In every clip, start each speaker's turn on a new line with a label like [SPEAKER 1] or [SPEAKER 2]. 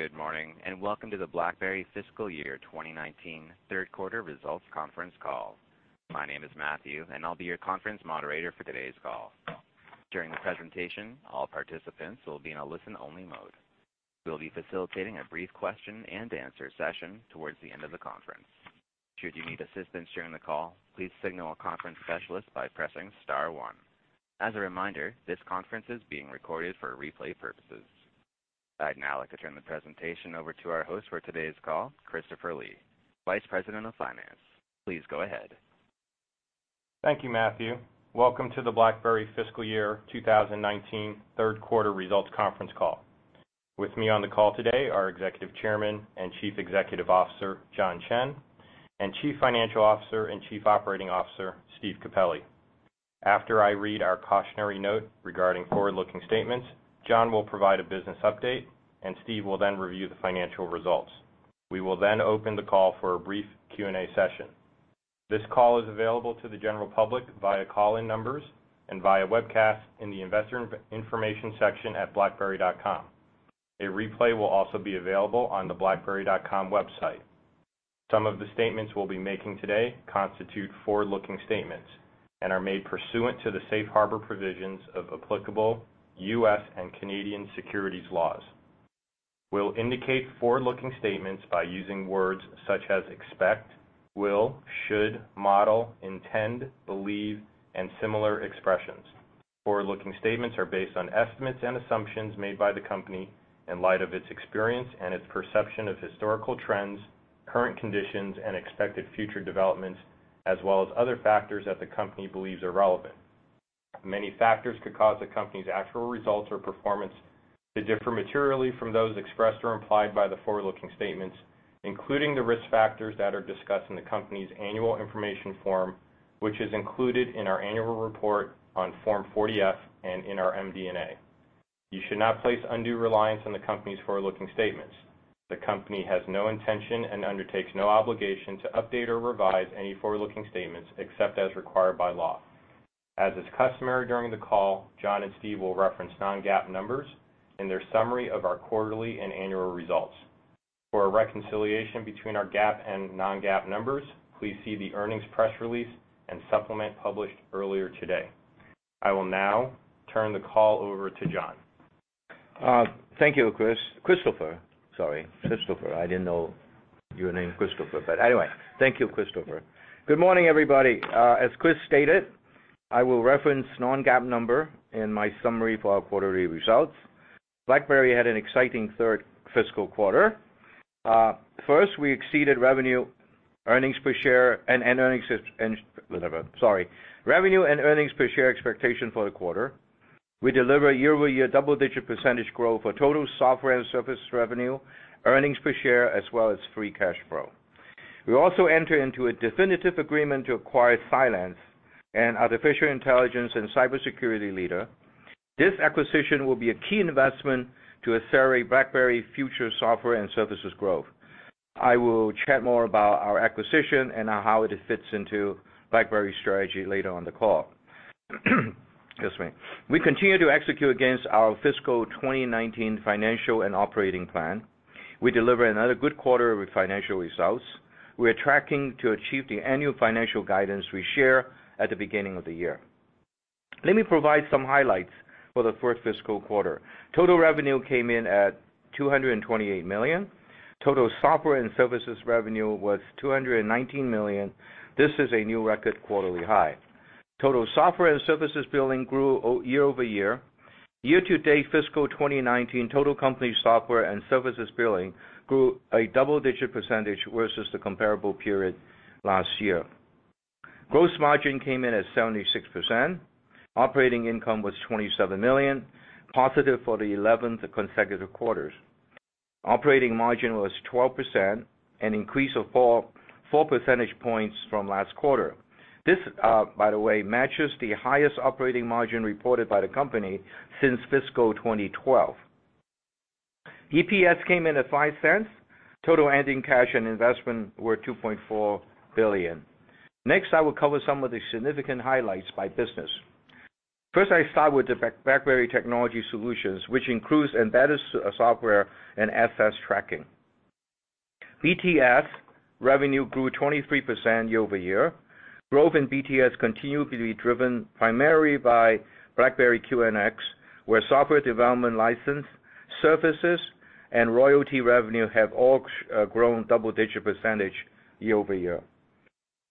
[SPEAKER 1] Good morning, welcome to the BlackBerry Fiscal Year 2019 Third Quarter Results Conference Call. My name is Matthew, I'll be your conference moderator for today's call. During the presentation, all participants will be in a listen-only mode. We'll be facilitating a brief question and answer session towards the end of the conference. Should you need assistance during the call, please signal a conference specialist by pressing star one. As a reminder, this conference is being recorded for replay purposes. I'd now like to turn the presentation over to our host for today's call, Christopher Lee, Vice President of Finance. Please go ahead.
[SPEAKER 2] Thank you, Matthew. Welcome to the BlackBerry Fiscal Year 2019 third quarter results conference call. With me on the call today are Executive Chairman and Chief Executive Officer, John Chen, and Chief Financial Officer and Chief Operating Officer, Steve Capelli. After I read our cautionary note regarding forward-looking statements, John will provide a business update, and Steve will then review the financial results. We will open the call for a brief Q&A session. This call is available to the general public via call-in numbers and via webcast in the investor information section at blackberry.com. A replay will also be available on the blackberry.com website. Some of the statements we'll be making today constitute forward-looking statements and are made pursuant to the safe harbor provisions of applicable U.S. and Canadian securities laws. We'll indicate forward-looking statements by using words such as expect, will, should, model, intend, believe, and similar expressions. Forward-looking statements are based on estimates and assumptions made by the company in light of its experience and its perception of historical trends, current conditions, and expected future developments, as well as other factors that the company believes are relevant. Many factors could cause the company's actual results or performance to differ materially from those expressed or implied by the forward-looking statements, including the risk factors that are discussed in the company's annual information form, which is included in our annual report on Form 40-F and in our MD&A. You should not place undue reliance on the company's forward-looking statements. The company has no intention and undertakes no obligation to update or revise any forward-looking statements except as required by law. As is customary during the call, John and Steve will reference non-GAAP numbers in their summary of our quarterly and annual results. For a reconciliation between our GAAP and non-GAAP numbers, please see the earnings press release and supplement published earlier today. I will now turn the call over to John.
[SPEAKER 3] Thank you, Chris. Christopher. Sorry, Christopher. I didn't know you were named Christopher. Anyway, thank you, Christopher. Good morning, everybody. As Chris stated, I will reference non-GAAP number in my summary for our quarterly results. BlackBerry had an exciting third fiscal quarter. First, we exceeded revenue and earnings per share expectation for the quarter. We deliver year-over-year double-digit percentage growth for total software and service revenue, earnings per share, as well as free cash flow. We also enter into a definitive agreement to acquire Cylance, an artificial intelligence and cybersecurity leader. This acquisition will be a key investment to accelerate BlackBerry's future software and services growth. I will chat more about our acquisition and how it fits into BlackBerry's strategy later on the call. Excuse me. We continue to execute against our fiscal 2019 financial and operating plan. We deliver another good quarter with financial results. We are tracking to achieve the annual financial guidance we share at the beginning of the year. Let me provide some highlights for the third fiscal quarter. Total revenue came in at $228 million. Total software and services revenue was $219 million. This is a new record quarterly high. Total software and services billing grew year-over-year. Year-to-date fiscal 2019, total company software and services billing grew a double-digit percentage versus the comparable period last year. Gross margin came in at 76%. Operating income was $27 million, positive for the 11th consecutive quarters. Operating margin was 12%, an increase of four percentage points from last quarter. This, by the way, matches the highest operating margin reported by the company since fiscal 2012. EPS came in at $0.05. Total ending cash and investment were $2.4 billion. Next, I will cover some of the significant highlights by business. First, I start with the BlackBerry Technology Solutions, which includes embedded software and asset tracking. BTS revenue grew 23% year-over-year. Growth in BTS continued to be driven primarily by BlackBerry QNX, where software development license, services, and royalty revenue have all grown double-digit percentage year-over-year.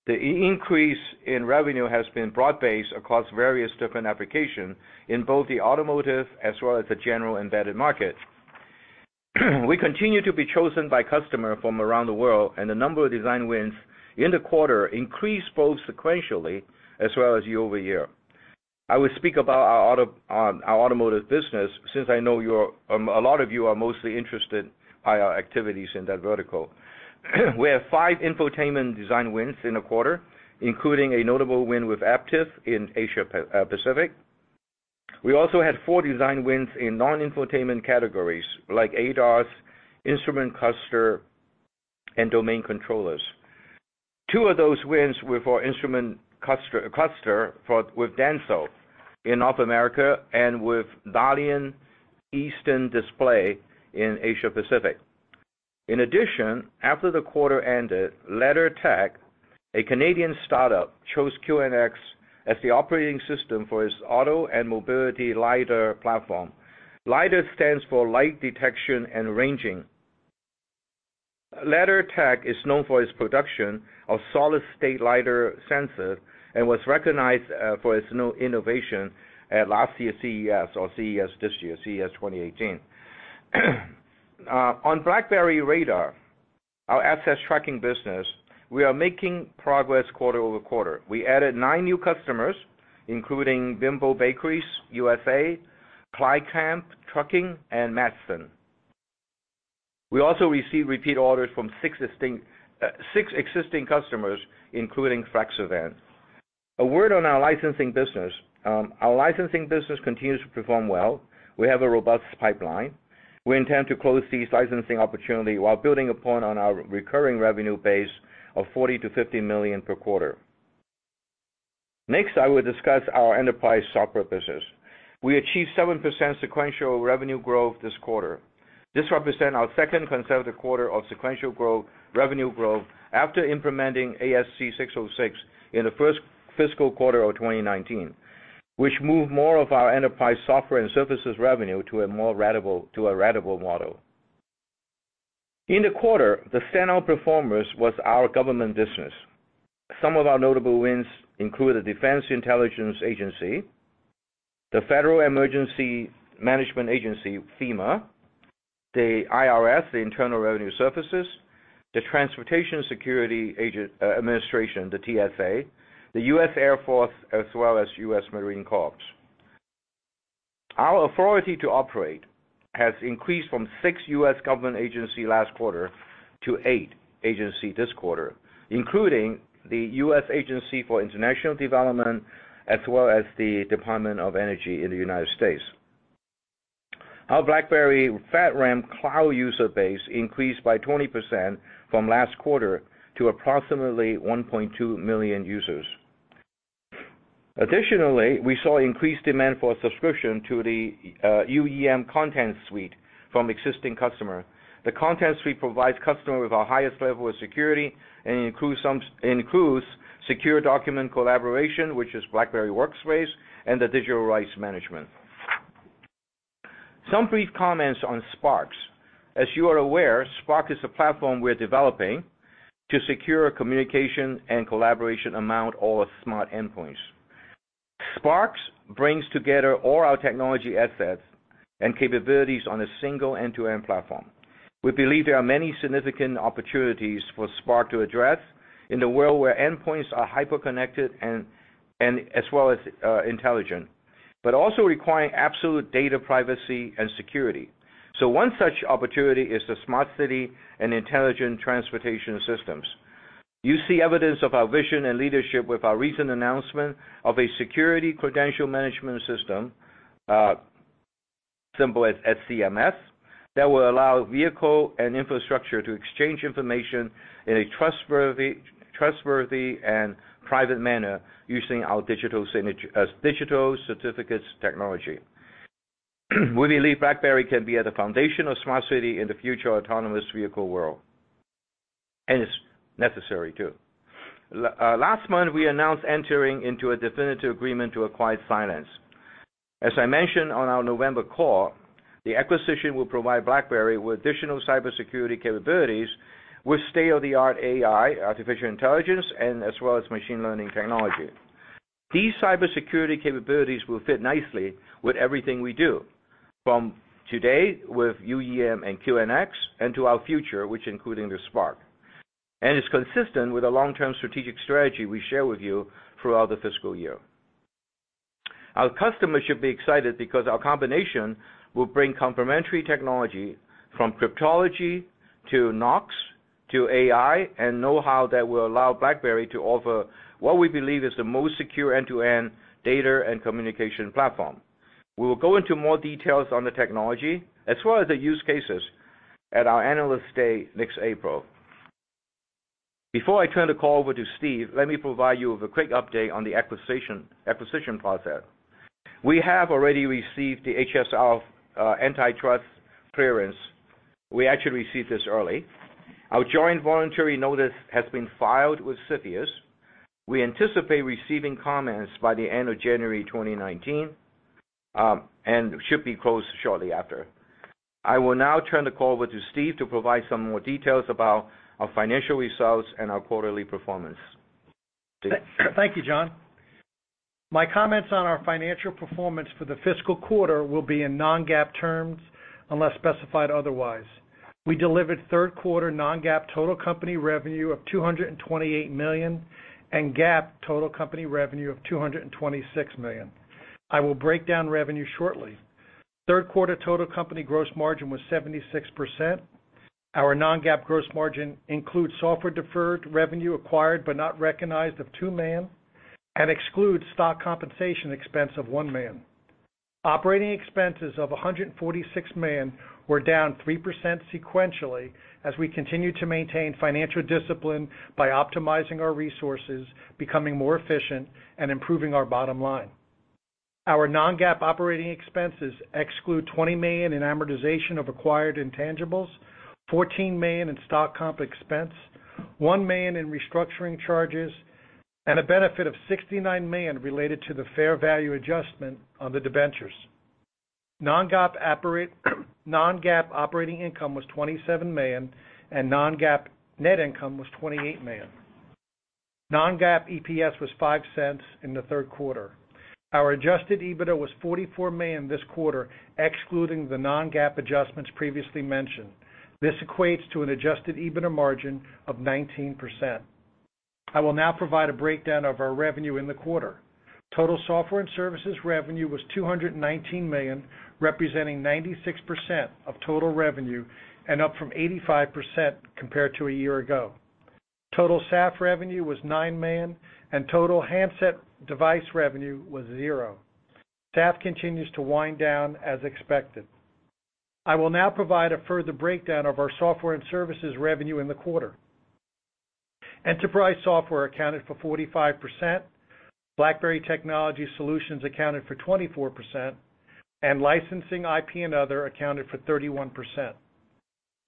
[SPEAKER 3] The increase in revenue has been broad-based across various different application in both the automotive as well as the general embedded market. We continue to be chosen by customer from around the world, and the number of design wins in the quarter increased both sequentially as well as year-over-year. I will speak about our automotive business since I know a lot of you are mostly interested by our activities in that vertical. We have five infotainment design wins in the quarter, including a notable win with Aptiv in Asia Pacific. We also had four design wins in non-infotainment categories like ADAS, instrument cluster, and domain controllers. Two of those wins were for instrument cluster with Denso in North America and with Dalian Eastern Display in Asia Pacific. In addition, after the quarter ended, LeddarTech, a Canadian startup, chose QNX as the operating system for its Auto and Mobility LiDAR Platform. LiDAR stands for light detection and ranging. LeddarTech is known for its production of solid-state LiDAR sensors and was recognized for its innovation at last year's CES, or CES this year, CES 2018. On BlackBerry Radar, our asset tracking business, we are making progress quarter-over-quarter. We added nine new customers, including Bimbo Bakeries USA, Kreilkamp Trucking, and Matson. We also received repeat orders from six existing customers, including Flex Events. A word on our licensing business. Our licensing business continues to perform well. We have a robust pipeline. We intend to close these licensing opportunity while building upon our recurring revenue base of $40 million-$50 million per quarter. I will discuss our enterprise software business. We achieved 7% sequential revenue growth this quarter. This represents our second consecutive quarter of sequential revenue growth after implementing ASC 606 in the first fiscal quarter of 2019, which moved more of our Enterprise Software and Services revenue to a ratable model. In the quarter, the standout performers was our government business. Some of our notable wins include the Defense Intelligence Agency, the Federal Emergency Management Agency, FEMA, the IRS, the Internal Revenue Service, the Transportation Security Administration, the TSA, the U.S. Air Force, as well as U.S. Marine Corps. Our authority to operate has increased from six U.S. government agency last quarter to eight agency this quarter, including the U.S. Agency for International Development, as well as the Department of Energy in the United States. Our BlackBerry AtHoc cloud user base increased by 20% from last quarter to approximately 1.2 million users. Additionally, we saw increased demand for a subscription to the UEM content suite from existing customer. The content suite provides customer with our highest level of security and includes secure document collaboration, which is BlackBerry Workspaces, and the digital rights management. Some brief comments on Spark. As you are aware, Spark is a platform we're developing to secure communication and collaboration among all smart endpoints. Spark brings together all our technology assets and capabilities on a single end-to-end platform. We believe there are many significant opportunities for Spark to address in the world where endpoints are hyper-connected as well as intelligent, but also requiring absolute data privacy and security. One such opportunity is the smart city and intelligent transportation systems. You see evidence of our vision and leadership with our recent announcement of a security credential management system, symbol as SCMS, that will allow vehicle and infrastructure to exchange information in a trustworthy and private manner using our digital certificates technology. We believe BlackBerry can be at the foundation of smart city in the future autonomous vehicle world, and it's necessary too. Last month, we announced entering into a definitive agreement to acquire Cylance. As I mentioned on our November call, the acquisition will provide BlackBerry with additional cybersecurity capabilities with state-of-the-art AI, artificial intelligence, and as well as machine learning technology. These cybersecurity capabilities will fit nicely with everything we do. From today with UEM and QNX, and to our future, which including the Spark. It's consistent with a long-term strategic strategy we share with you throughout the fiscal year. Our customers should be excited because our combination will bring complementary technology from cryptology to Knox to AI and know-how that will allow BlackBerry to offer what we believe is the most secure end-to-end data and communication platform. We will go into more details on the technology as well as the use cases at our Analyst Day next April. Before I turn the call over to Steve, let me provide you with a quick update on the acquisition process. We have already received the HSR antitrust clearance. We actually received this early. Our joint voluntary notice has been filed with CFIUS. We anticipate receiving comments by the end of January 2019, should be closed shortly after. I will now turn the call over to Steve to provide some more details about our financial results and our quarterly performance. Steve?
[SPEAKER 4] Thank you, John. My comments on our financial performance for the fiscal quarter will be in non-GAAP terms unless specified otherwise. We delivered third quarter non-GAAP total company revenue of $228 million and GAAP total company revenue of $226 million. I will break down revenue shortly. Third quarter total company gross margin was 76%. Our non-GAAP gross margin includes software deferred revenue acquired but not recognized of $2 million and excludes stock compensation expense of $1 million. Operating expenses of $146 million were down 3% sequentially as we continue to maintain financial discipline by optimizing our resources, becoming more efficient, and improving our bottom line. Our non-GAAP operating expenses exclude $20 million in amortization of acquired intangibles, $14 million in stock comp expense, $1 million in restructuring charges, and a benefit of $69 million related to the fair value adjustment on the debentures. Non-GAAP operating income was $27 million, non-GAAP net income was $28 million. Non-GAAP EPS was $0.05 in the third quarter. Our adjusted EBITDA was $44 million this quarter, excluding the non-GAAP adjustments previously mentioned. This equates to an adjusted EBITDA margin of 19%. I will now provide a breakdown of our revenue in the quarter. Total software and services revenue was $219 million, representing 96% of total revenue and up from 85% compared to a year ago. Total SAF revenue was $9 million, and total handset device revenue was zero. SAF continues to wind down as expected. I will now provide a further breakdown of our software and services revenue in the quarter. Enterprise software accounted for 45%, BlackBerry Technology Solutions accounted for 24%, and licensing IP and other accounted for 31%.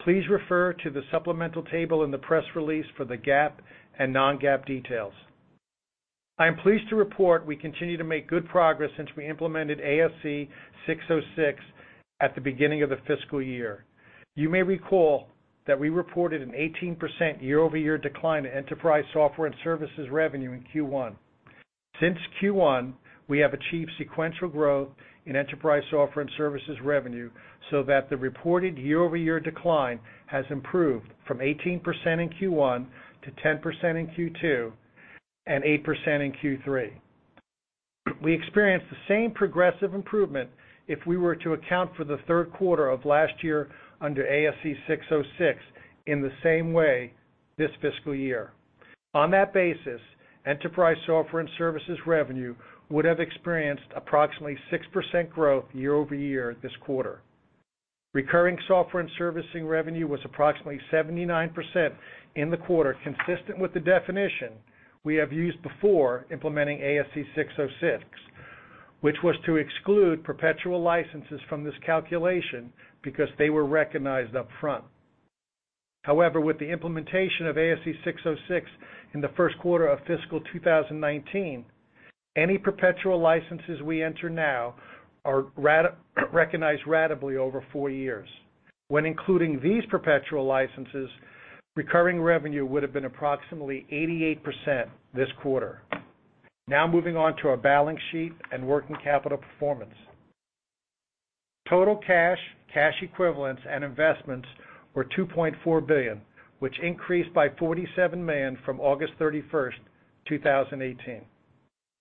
[SPEAKER 4] Please refer to the supplemental table in the press release for the GAAP and non-GAAP details. I am pleased to report we continue to make good progress since we implemented ASC 606 at the beginning of the fiscal year. You may recall that we reported an 18% year-over-year decline in enterprise software and services revenue in Q1. Since Q1, we have achieved sequential growth in enterprise software and services revenue so that the reported year-over-year decline has improved from 18% in Q1 to 10% in Q2 and 8% in Q3. We experienced the same progressive improvement if we were to account for the third quarter of last year under ASC 606 in the same way this fiscal year. On that basis, enterprise software and services revenue would have experienced approximately 6% growth year-over-year this quarter. Recurring software and servicing revenue was approximately 79% in the quarter, consistent with the definition we have used before implementing ASC 606, which was to exclude perpetual licenses from this calculation because they were recognized upfront. However, with the implementation of ASC 606 in the first quarter of fiscal 2019, any perpetual licenses we enter now are recognized ratably over four years. When including these perpetual licenses, recurring revenue would have been approximately 88% this quarter. Moving on to our balance sheet and working capital performance. Total cash equivalents, and investments were $2.4 billion, which increased by $47 million from August 31st, 2018.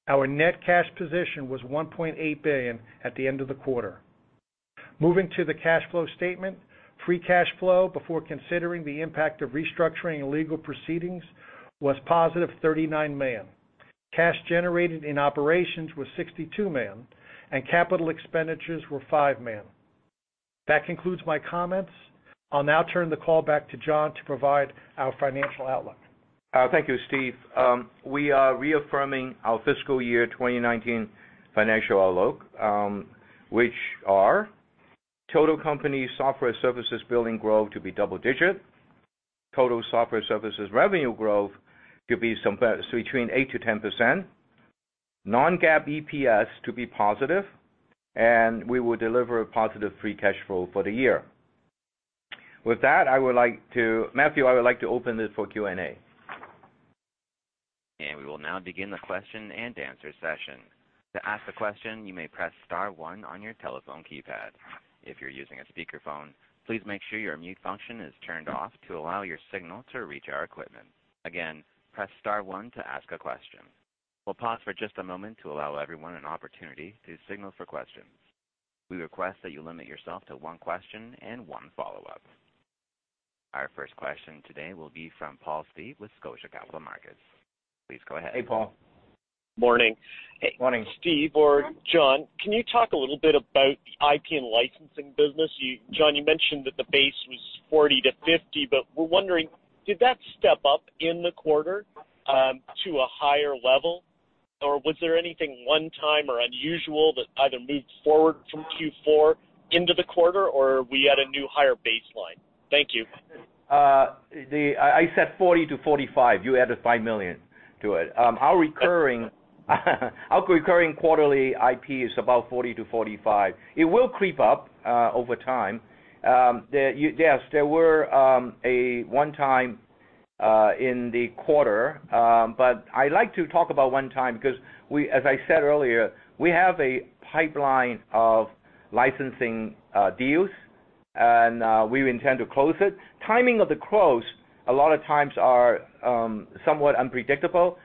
[SPEAKER 4] Our net cash position was $1.8 billion at the end of the quarter. Moving to the cash flow statement, free cash flow before considering the impact of restructuring and legal proceedings was positive $39 million. Cash generated in operations was $62 million, capital expenditures were $5 million. That concludes my comments. I'll now turn the call back to John to provide our financial outlook.
[SPEAKER 3] Thank you, Steve. We are reaffirming our fiscal year 2019 financial outlook, which are total company software services billing growth to be double digit, total software services revenue growth to be between 8%-10%, non-GAAP EPS to be positive, we will deliver a positive free cash flow for the year. With that, Matthew, I would like to open this for Q&A.
[SPEAKER 1] We will now begin the question-and-answer session. To ask a question, you may press star one on your telephone keypad. If you're using a speakerphone, please make sure your mute function is turned off to allow your signal to reach our equipment. Again, press star one to ask a question. We'll pause for just a moment to allow everyone an opportunity to signal for questions. We request that you limit yourself to one question and one follow-up. Our first question today will be from Paul Sweeney with Scotia Capital Markets. Please go ahead.
[SPEAKER 3] Hey, Paul.
[SPEAKER 5] Morning.
[SPEAKER 3] Morning.
[SPEAKER 5] Steve or John, can you talk a little bit about the IP and licensing business? John, you mentioned that the base was $40 million-$50 million, but we're wondering, did that step up in the quarter to a higher level? Was there anything one-time or unusual that either moved forward from Q4 into the quarter? We had a new higher baseline? Thank you.
[SPEAKER 3] I said $40 million-$45 million. You added $5 million to it. Our recurring quarterly IP is about $40 million-$45 million. It will creep up over time. Yes, there were a one-time in the quarter. I like to talk about one-time because, as I said earlier, we have a pipeline of licensing deals, and we intend to close it. Timing of the close, a lot of times, are somewhat unpredictable.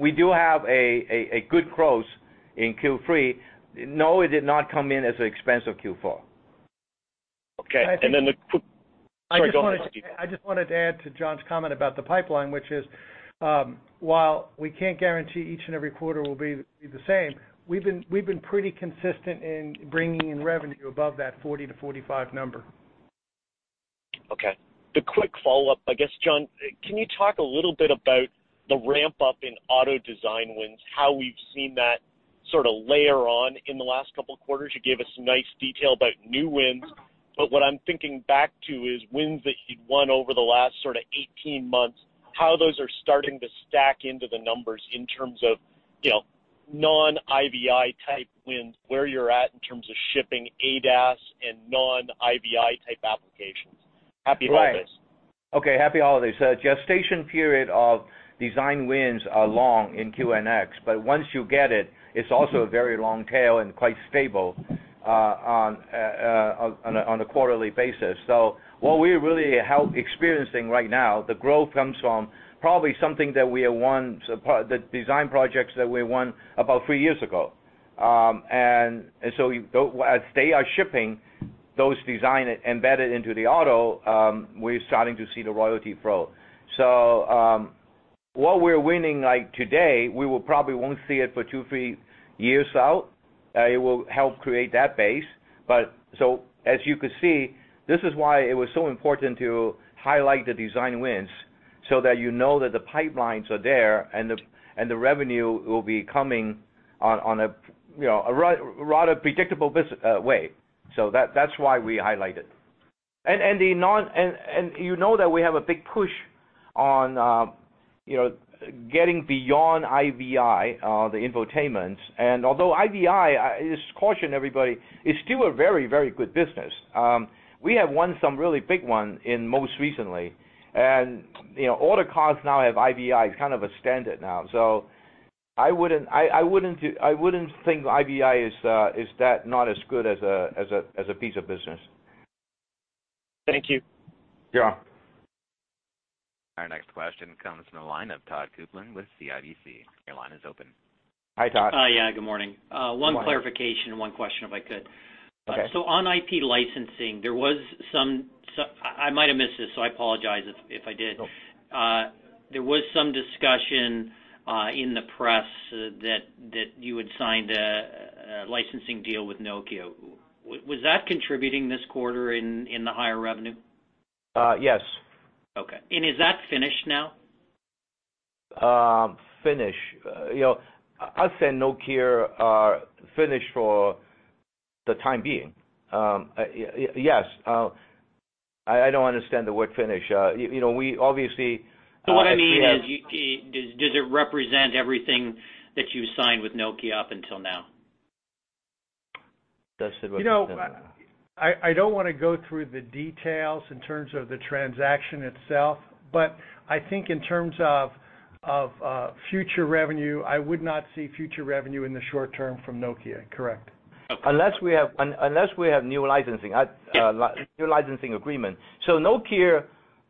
[SPEAKER 3] We do have a good close in Q3. No, it did not come in as an expense of Q4.
[SPEAKER 5] Okay. The quick-
[SPEAKER 4] I just wanted to add to John's comment about the pipeline, which is, while we can't guarantee each and every quarter will be the same, we've been pretty consistent in bringing in revenue above that $40million-$45million number.
[SPEAKER 5] Okay. The quick follow-up, I guess, John, can you talk a little bit about the ramp-up in auto design wins, how we've seen that sort of layer on in the last couple of quarters? You gave us nice detail about new wins. What I'm thinking back to is wins that you'd won over the last sort of 18 months, how those are starting to stack into the numbers in terms of non-IVI type wins, where you're at in terms of shipping ADAS and non-IVI type applications. Happy holidays.
[SPEAKER 3] Right. Okay, happy holidays. The gestation period of design wins are long in QNX. Once you get it's also a very long tail and quite stable on a quarterly basis. What we're really experiencing right now, the growth comes from probably something that we have won, the design projects that we won about three years ago. As they are shipping those design embedded into the auto, we're starting to see the royalty flow. What we're winning today, we will probably won't see it for two, three years out. It will help create that base. As you could see, this is why it was so important to highlight the design wins so that you know that the pipelines are there and the revenue will be coming on a rather predictable way. That's why we highlight it. You know that we have a big push on getting beyond IVI, the infotainment. Although IVI, just to caution everybody, is still a very, very good business. We have won some really big ones most recently. All the cars now have IVI, it's kind of a standard now. I wouldn't think IVI is that not as good as a piece of business.
[SPEAKER 5] Thank you.
[SPEAKER 3] Yeah.
[SPEAKER 1] Our next question comes from the line of Todd Coupland with CIBC. Your line is open.
[SPEAKER 3] Hi, Todd.
[SPEAKER 6] Hi. Yeah, good morning.
[SPEAKER 3] Good morning.
[SPEAKER 6] One clarification and one question, if I could.
[SPEAKER 3] Okay.
[SPEAKER 6] On IP licensing, I might have missed this, so I apologize if I did.
[SPEAKER 3] No.
[SPEAKER 6] There was some discussion in the press that you had signed a licensing deal with Nokia. Was that contributing this quarter in the higher revenue?
[SPEAKER 3] Yes.
[SPEAKER 6] Okay. Is that finished now?
[SPEAKER 3] Finished. Us and Nokia are finished for the time being. Yes. I don't understand the word finished.
[SPEAKER 6] What I mean is does it represent everything that you've signed with Nokia up until now?
[SPEAKER 3] That's it.
[SPEAKER 4] I don't want to go through the details in terms of the transaction itself, but I think in terms of future revenue, I would not see future revenue in the short term from Nokia, correct.
[SPEAKER 3] Unless we have new licensing agreements. Nokia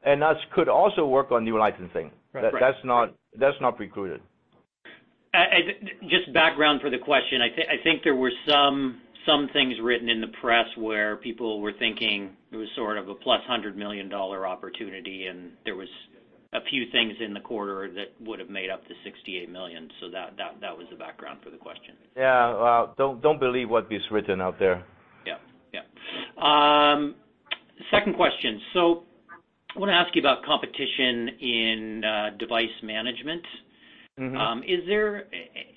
[SPEAKER 3] and us could also work on new licensing.
[SPEAKER 4] Right.
[SPEAKER 3] That's not precluded.
[SPEAKER 6] Just background for the question. I think there were some things written in the press where people were thinking it was sort of a plus $100 million opportunity, and there was a few things in the quarter that would have made up the $68 million. That was the background for the question.
[SPEAKER 3] Don't believe what is written out there.
[SPEAKER 6] Second question, I want to ask you about competition in device management. Is there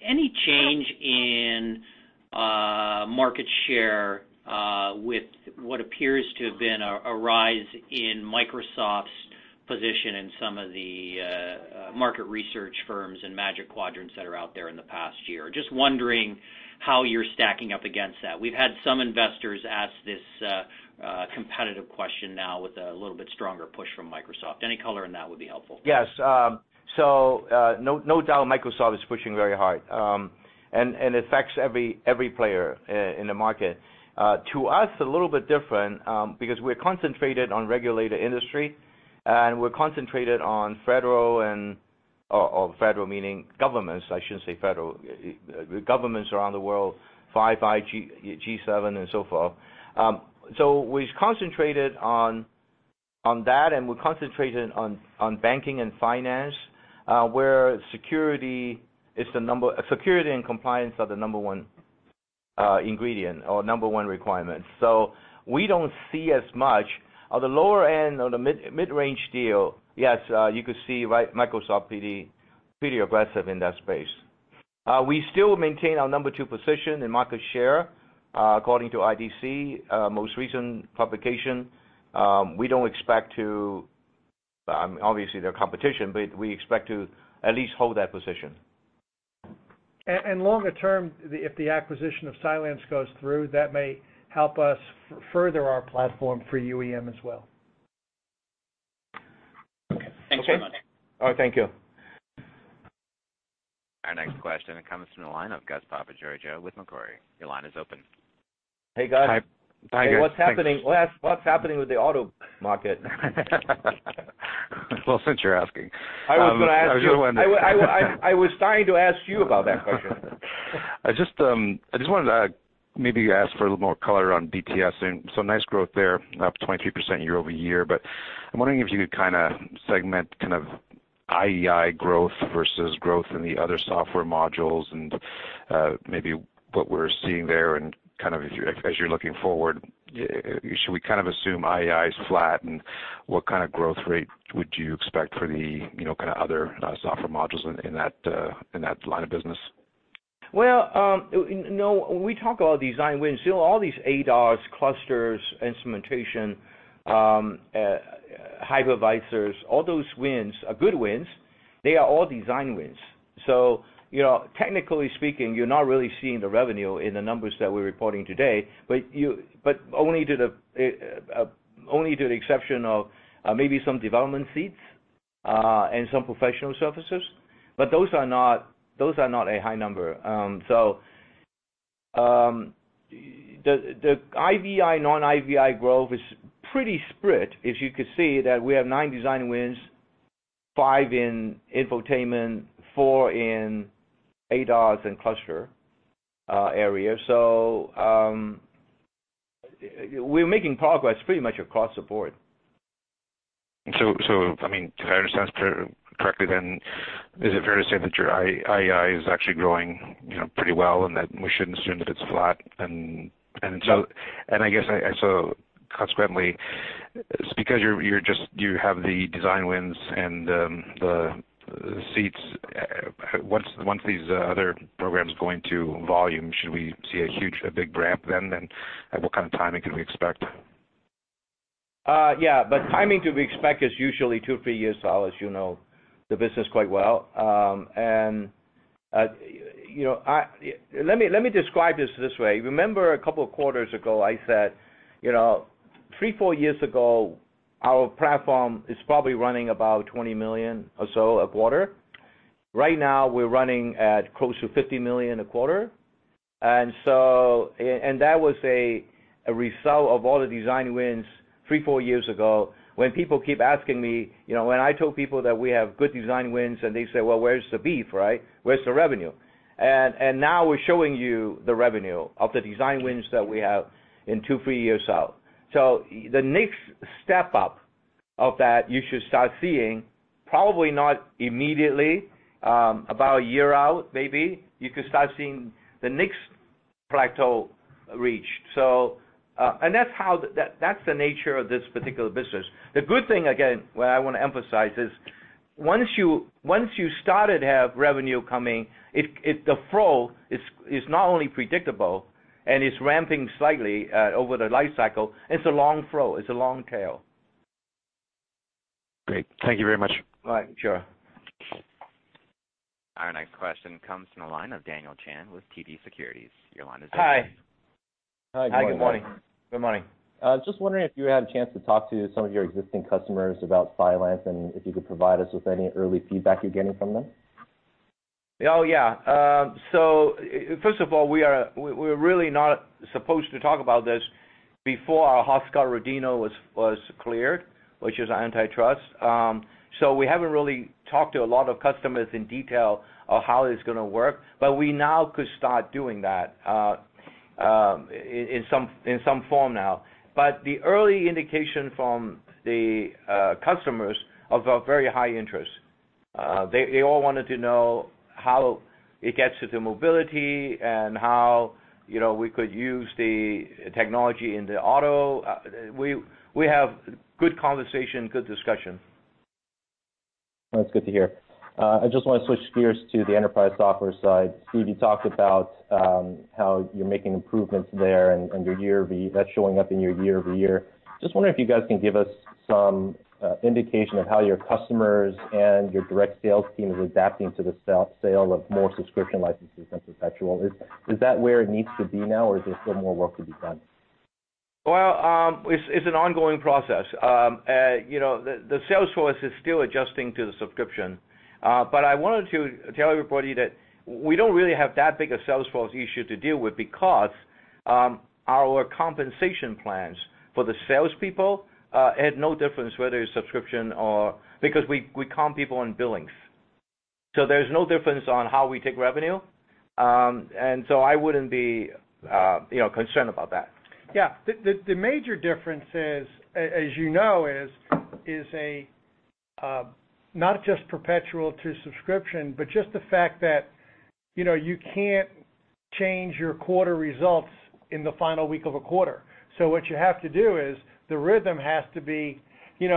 [SPEAKER 6] any change in market share with what appears to have been a rise in Microsoft's position in some of the market research firms and magic quadrants that are out there in the past year? Just wondering how you're stacking up against that. We've had some investors ask this competitive question now with a little bit stronger push from Microsoft. Any color in that would be helpful.
[SPEAKER 3] No doubt Microsoft is pushing very hard. It affects every player in the market. To us, a little bit different, because we're concentrated on regulated industry, and we're concentrated on federal, meaning governments, I shouldn't say federal, governments around the world, Five Eyes, G7, and so forth. We've concentrated on that, and we're concentrated on banking and finance, where security and compliance are the number one ingredient or number one requirement. We don't see as much. On the lower end, on the mid-range deal, yes, you could see Microsoft pretty aggressive in that space. We still maintain our number two position in market share, according to IDC most recent publication. Obviously, they're competition, but we expect to at least hold that position.
[SPEAKER 4] Longer term, if the acquisition of Cylance goes through, that may help us further our platform for UEM as well.
[SPEAKER 6] Okay. Thanks very much.
[SPEAKER 3] Okay. Thank you.
[SPEAKER 1] Our next question comes from the line of Gus Papageorgiou with Macquarie. Your line is open.
[SPEAKER 4] Hey, Gus.
[SPEAKER 3] Hi. Hi, Gus.
[SPEAKER 7] What's happening with the auto market?
[SPEAKER 3] Well, since you're asking.
[SPEAKER 7] I was going to ask you.
[SPEAKER 3] I was going to. I was trying to ask you about that question.
[SPEAKER 7] I just wanted to maybe ask for a little more color on BTS. Nice growth there, up 23% year-over-year. I'm wondering if you could segment IVI growth versus growth in the other software modules and maybe what we're seeing there and as you're looking forward, should we assume IVI is flat? What kind of growth rate would you expect for the other software modules in that line of business?
[SPEAKER 3] When we talk about design wins, all these ADAS, clusters, instrumentation, hypervisors, all those wins are good wins. They are all design wins. Technically speaking, you're not really seeing the revenue in the numbers that we're reporting today, but only to the exception of maybe some development seats, and some professional services, but those are not a high number. The IVI, non-IVI growth is pretty split. As you can see that we have nine design wins, five in infotainment, four in ADAS and cluster area. We're making progress pretty much across the board.
[SPEAKER 7] If I understand correctly then, is it fair to say that your IVI is actually growing pretty well, and that we shouldn't assume that it's flat?
[SPEAKER 3] No.
[SPEAKER 7] Consequently, because you have the design wins and the seats, once these other programs go into volume, should we see a big ramp then? What kind of timing can we expect?
[SPEAKER 3] Timing to be expect is usually two or three years, Sal, as you know the business quite well. Let me describe this this way. Remember a couple of quarters ago, I said three, four years ago, our platform is probably running about $20 million or so a quarter. Right now, we're running at close to $50 million a quarter. That was a result of all the design wins three, four years ago, when people keep asking me, when I told people that we have good design wins, and they say, "Well, where's the beef? Where's the revenue?" Now we're showing you the revenue of the design wins that we have in two, three years out. The next step up of that, you should start seeing probably not immediately, about a year out, maybe, you could start seeing the next plateau reached. That's the nature of this particular business. The good thing, again, what I want to emphasize is once you started to have revenue coming, the flow is not only predictable and it's ramping slightly over the life cycle, it's a long flow. It's a long tail.
[SPEAKER 7] Great. Thank you very much.
[SPEAKER 3] All right, sure.
[SPEAKER 1] Our next question comes from the line of Daniel Chan with TD Securities. Your line is open.
[SPEAKER 8] Hi.
[SPEAKER 3] Hi, good morning.
[SPEAKER 8] Hi, good morning. Good morning. I was just wondering if you had a chance to talk to some of your existing customers about Cylance and if you could provide us with any early feedback you're getting from them.
[SPEAKER 3] Oh, yeah. First of all, we're really not supposed to talk about this before our Hart-Scott-Rodino was cleared, which is antitrust. We haven't really talked to a lot of customers in detail on how it's going to work, but we now could start doing that in some form now. The early indication from the customers of a very high interest. They all wanted to know how it gets into mobility and how we could use the technology in the auto. We have good conversation, good discussion.
[SPEAKER 8] That's good to hear. I just want to switch gears to the enterprise software side. Steve, you talked about how you're making improvements there and that's showing up in your year-over-year. Just wondering if you guys can give us some indication of how your customers and your direct sales team is adapting to the sale of more subscription licenses than perpetual. Is that where it needs to be now, or is there still more work to be done?
[SPEAKER 3] Well, it's an ongoing process. The sales force is still adjusting to the subscription. I wanted to tell everybody that we don't really have that big a sales force issue to deal with because our compensation plans for the salespeople had no difference whether it's subscription or because we comp people on billings. There's no difference on how we take revenue. I wouldn't be concerned about that.
[SPEAKER 4] Yeah. The major difference is, as you know, is not just perpetual to subscription, but just the fact that you can't change your quarter results in the final week of a quarter. What you have to do is the rhythm has to be, day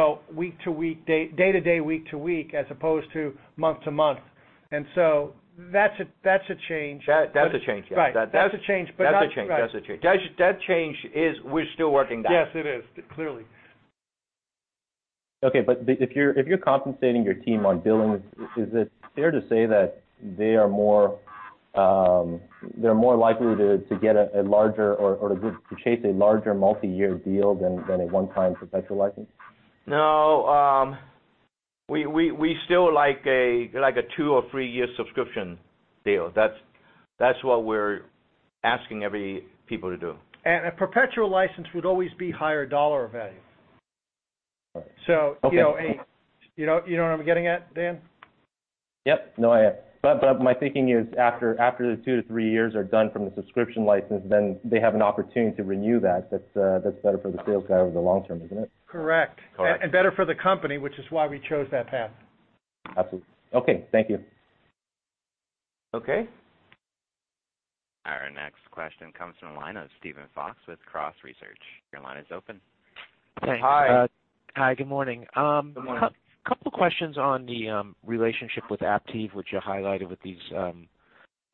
[SPEAKER 4] to day, week to week, as opposed to month to month. That's a change.
[SPEAKER 3] That's a change, yes.
[SPEAKER 4] Right. That's a change.
[SPEAKER 3] That's a change.
[SPEAKER 4] Right.
[SPEAKER 3] That change is, we're still working that.
[SPEAKER 4] Yes, it is. Clearly.
[SPEAKER 8] Okay, but if you're compensating your team on billings, is it fair to say that they're more likely to get a larger or to chase a larger multi-year deal than a one-time perpetual license?
[SPEAKER 4] No. We still like a two or three-year subscription deal. That's what we're asking every people to do.
[SPEAKER 3] A perpetual license would always be higher dollar value.
[SPEAKER 8] All right.
[SPEAKER 3] You know what I'm getting at, Daniel?
[SPEAKER 8] Yep. My thinking is after the two to three years are done from the subscription license, then they have an opportunity to renew that. That's better for the sales guy over the long term, isn't it?
[SPEAKER 4] Correct.
[SPEAKER 8] Correct. Better for the company, which is why we chose that path.
[SPEAKER 3] Absolutely. Okay, thank you. Okay.
[SPEAKER 1] Our next question comes from the line of Steven Fox with Cross Research. Your line is open.
[SPEAKER 3] Hi.
[SPEAKER 9] Hi, good morning.
[SPEAKER 3] Good morning.
[SPEAKER 9] Couple questions on the relationship with Aptiv, which you highlighted with these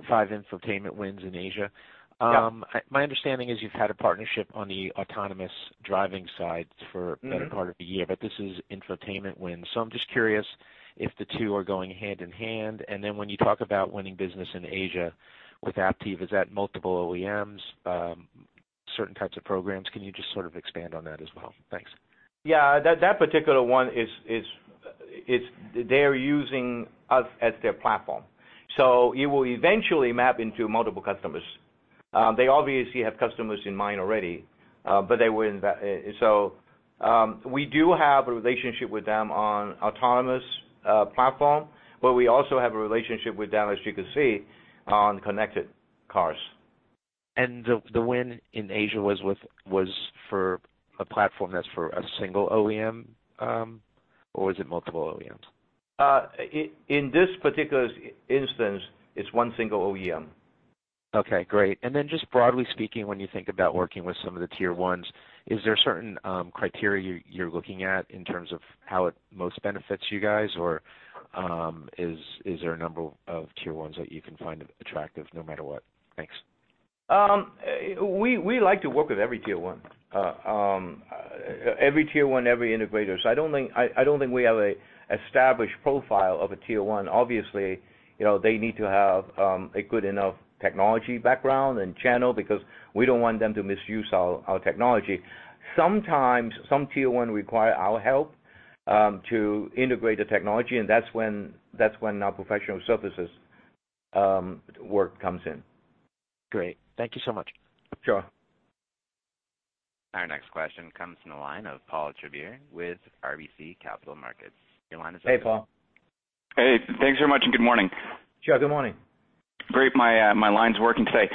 [SPEAKER 9] five infotainment wins in Asia.
[SPEAKER 3] Yeah.
[SPEAKER 9] My understanding is you've had a partnership on the autonomous driving side for the better part of a year, but this is infotainment wins. I'm just curious if the two are going hand in hand, when you talk about winning business in Asia with Aptiv, is that multiple OEMs, certain types of programs? Can you just sort of expand on that as well? Thanks.
[SPEAKER 3] That particular one, they're using us as their platform. It will eventually map into multiple customers. They obviously have customers in mind already, but they were in that. We do have a relationship with them on autonomous platform, but we also have a relationship with them, as you can see, on connected cars.
[SPEAKER 9] The win in Asia was for a platform that's for a single OEM, or is it multiple OEMs?
[SPEAKER 3] In this particular instance, it's one single OEM.
[SPEAKER 9] Okay, great. Just broadly speaking, when you think about working with some of the tier 1s, is there certain criteria you're looking at in terms of how it most benefits you guys? Or is there a number of tier 1s that you can find attractive no matter what? Thanks.
[SPEAKER 3] We like to work with every tier 1. Every tier 1, every integrator. I don't think we have an established profile of a tier 1. Obviously, they need to have a good enough technology background and channel because we don't want them to misuse our technology. Sometimes, some tier 1 require our help to integrate the technology, and that's when our professional services work comes in.
[SPEAKER 9] Great. Thank you so much.
[SPEAKER 3] Sure.
[SPEAKER 1] Our next question comes from the line of Paul Treiber with RBC Capital Markets. Your line is open.
[SPEAKER 3] Hey, Paul.
[SPEAKER 10] Hey, thanks very much, good morning.
[SPEAKER 3] Sure. Good morning.
[SPEAKER 10] Great. My line's working today.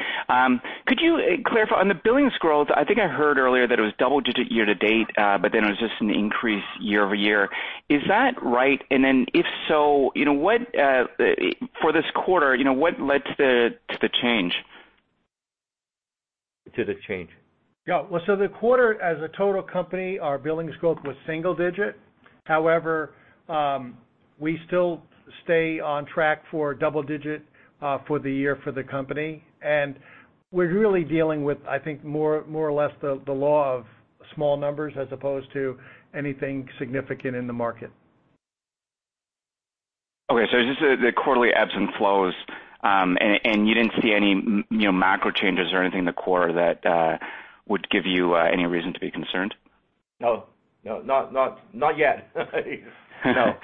[SPEAKER 10] Could you clarify, on the billings growth, I think I heard earlier that it was double-digit year-to-date, it was just an increase year-over-year. Is that right? If so, for this quarter, what led to the change?
[SPEAKER 3] To the change?
[SPEAKER 4] Well, the quarter as a total company, our billings growth was single digit. However, we still stay on track for double digit for the year for the company. We're really dealing with, I think, more or less the law of small numbers as opposed to anything significant in the market.
[SPEAKER 10] Okay, it's just the quarterly ebbs and flows, and you didn't see any macro changes or anything in the quarter that would give you any reason to be concerned?
[SPEAKER 4] No. Not yet. No.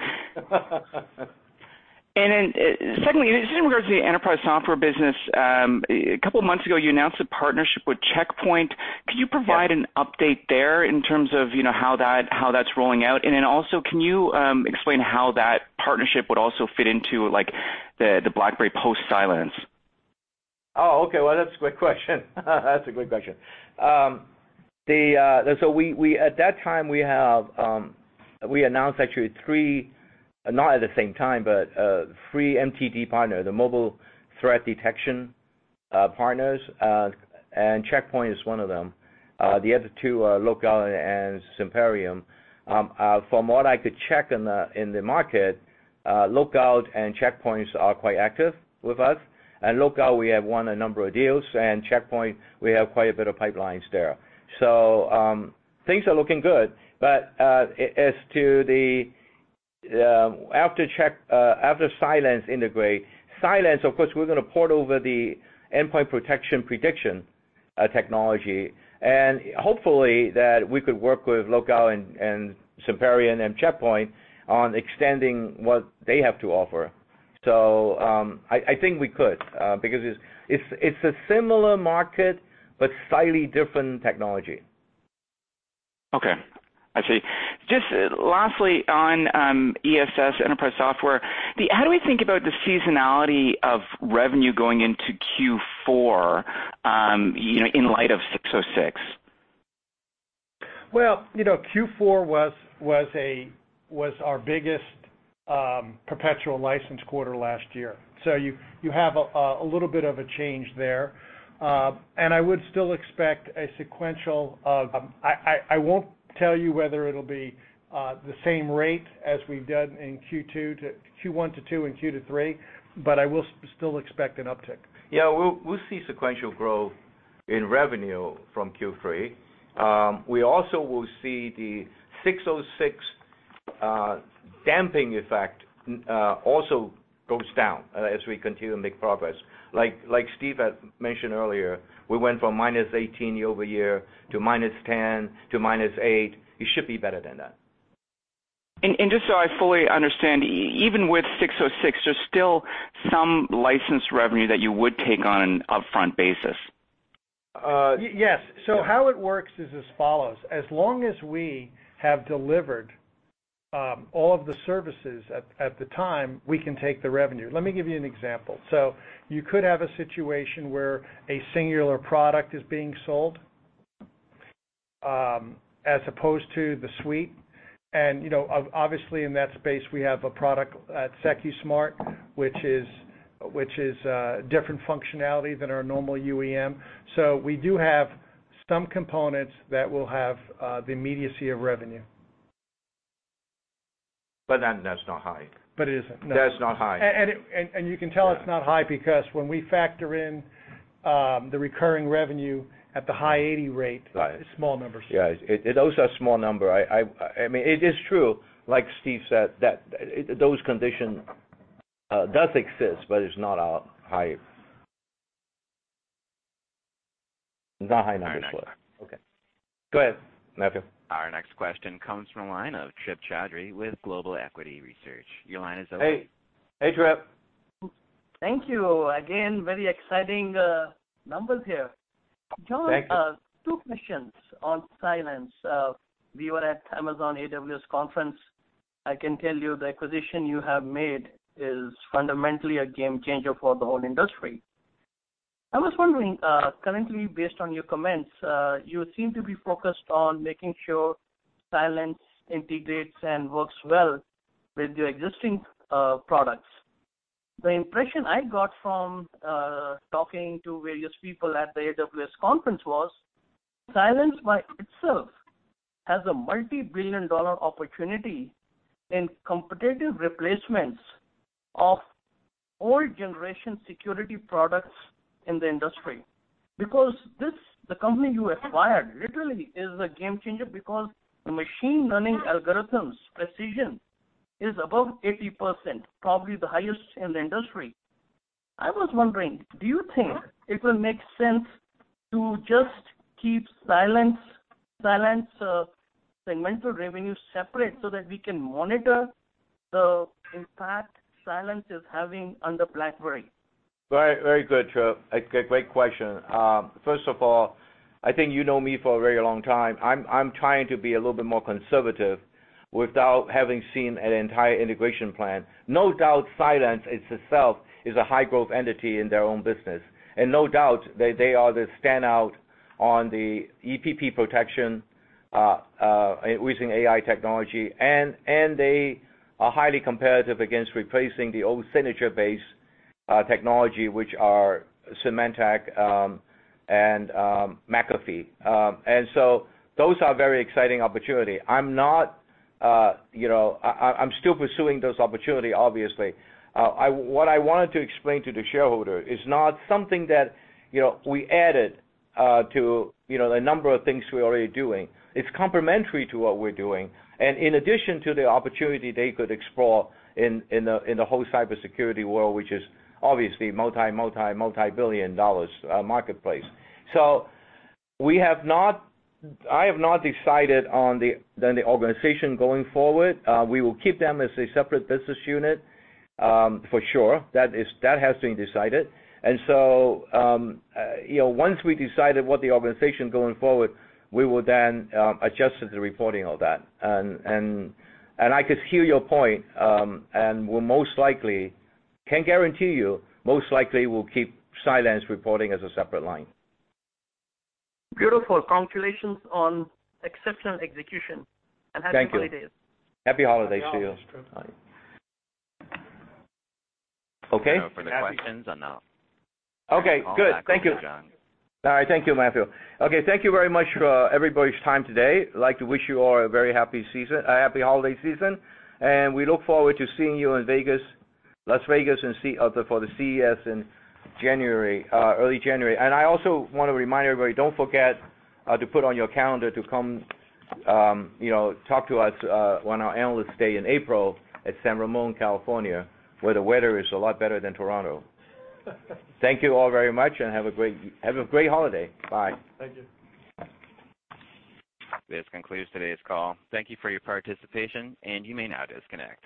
[SPEAKER 10] Secondly, just in regards to the enterprise software business, couple months ago, you announced a partnership with Check Point. Yeah. Could you provide an update there in terms of how that's rolling out? Also, can you explain how that partnership would also fit into the BlackBerry Cylance?
[SPEAKER 3] Okay. Well, that's a great question. That's a great question. At that time, we announced actually three, not at the same time, but three MTD partner, the Mobile Threat Detection partners. Check Point is one of them. The other two are Lookout and Zimperium. From what I could check in the market, Lookout and Check Point are quite active with us. Lookout, we have won a number of deals, Check Point, we have quite a bit of pipelines there. Things are looking good. As to the after Cylance integrate, Cylance, of course, we're going to port over the endpoint protection prediction technology. Hopefully that we could work with Lookout and Zimperium and Check Point on extending what they have to offer. I think we could, because it's a similar market but slightly different technology.
[SPEAKER 10] Okay. I see. Just lastly on ESS, enterprise software, how do we think about the seasonality of revenue going into Q4, in light of 606?
[SPEAKER 4] Q4 was our biggest perpetual license quarter last year. You have a little bit of a change there. I would still expect a sequential. I won't tell you whether it'll be the same rate as we've done in Q1 to Q2 and Q2 to Q3, but I will still expect an uptick.
[SPEAKER 3] We'll see sequential growth in revenue from Q3. We also will see the 606 damping effect also goes down as we continue to make progress. Like Steve had mentioned earlier, we went from -18% year-over-year to -10% to -8%. It should be better than that.
[SPEAKER 10] Just so I fully understand, even with 606, there's still some license revenue that you would take on an upfront basis?
[SPEAKER 4] Yes. How it works is as follows. As long as we have delivered all of the services at the time, we can take the revenue. Let me give you an example. You could have a situation where a singular product is being sold, as opposed to the suite. Obviously, in that space, we have a product at Secusmart, which is a different functionality than our normal UEM. We do have some components that will have the immediacy of revenue.
[SPEAKER 3] That's not high.
[SPEAKER 4] It isn't, no.
[SPEAKER 3] That's not high.
[SPEAKER 4] You can tell it's not high because when we factor in the recurring revenue at the high 80% rate.
[SPEAKER 3] Right.
[SPEAKER 4] It's small numbers.
[SPEAKER 3] Yeah. It also a small number. It is true, like Steve said, that those condition does exist, It's not our high. It's not high numbers.
[SPEAKER 4] Okay.
[SPEAKER 3] Go ahead, Matthew.
[SPEAKER 1] Our next question comes from the line of Trip Chowdhry with Global Equities Research. Your line is open.
[SPEAKER 3] Hey. Hey, Trip.
[SPEAKER 11] Thank you. Very exciting numbers here.
[SPEAKER 3] Thank you.
[SPEAKER 11] John, two questions on Cylance. We were at Amazon AWS conference. I can tell you the acquisition you have made is fundamentally a game changer for the whole industry. I was wondering, currently, based on your comments, you seem to be focused on making sure Cylance integrates and works well with your existing products. The impression I got from talking to various people at the AWS conference was, Cylance by itself has a multi-billion-dollar opportunity in competitive replacements of old generation security products in the industry. The company you acquired literally is a game changer because the machine learning algorithms precision is above 80%, probably the highest in the industry. I was wondering, do you think it will make sense to just keep Cylance segmental revenue separate so that we can monitor the impact Cylance is having on the BlackBerry?
[SPEAKER 3] Very good, Trip. Great question. First of all, I think you know me for a very long time. I'm trying to be a little bit more conservative without having seen an entire integration plan. No doubt, Cylance itself is a high-growth entity in their own business. No doubt that they are the standout on the EPP protection using AI technology, and they are highly competitive against replacing the old signature-based technology, which are Symantec and McAfee. Those are very exciting opportunities. I'm still pursuing those opportunities, obviously. What I wanted to explain to the shareholder is not something that we added to the number of things we're already doing. It's complementary to what we're doing. In addition to the opportunity they could explore in the whole cybersecurity world, which is obviously multi-billion dollar marketplace. I have not decided on the organization going forward. We will keep them as a separate business unit, for sure. That has been decided. Once we decided what the organization going forward, we will then adjust the reporting of that. I could hear your point, and we'll most likely, can guarantee you, most likely we'll keep Cylance reporting as a separate line.
[SPEAKER 11] Beautiful. Congratulations on exceptional execution.
[SPEAKER 3] Thank you.
[SPEAKER 11] Happy holidays.
[SPEAKER 3] Happy holidays to you.
[SPEAKER 4] Happy holidays, Trip.
[SPEAKER 3] Okay.
[SPEAKER 1] No further questions. No.
[SPEAKER 3] Okay, good. Thank you.
[SPEAKER 1] Call back over, John.
[SPEAKER 3] All right. Thank you, Matthew. Okay. Thank you very much for everybody's time today. I'd like to wish you all a very happy holiday season. We look forward to seeing you in Las Vegas for the CES in early January. I also want to remind everybody, don't forget to put on your calendar to come talk to us on our Analyst Day in April at San Ramon, California, where the weather is a lot better than Toronto. Thank you all very much and have a great holiday. Bye.
[SPEAKER 4] Thank you.
[SPEAKER 1] This concludes today's call. Thank you for your participation, and you may now disconnect.